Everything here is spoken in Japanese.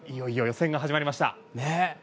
いよいよ予選が始まりました。